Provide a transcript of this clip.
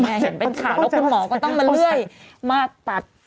เห็นเป็นข่าวแล้วคุณหมอก็ต้องมาเลื่อยมาตัด